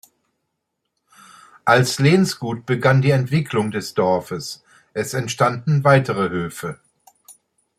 Als Lehnsgut begann die Entwicklung des Dorfes, es entstanden weitere Höfe.